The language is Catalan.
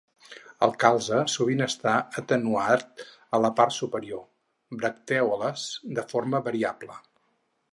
El calze sovint està atenuat a la part superior; bractèoles de forma variable.